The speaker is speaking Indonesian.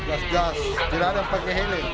gas gas jidara pakai helm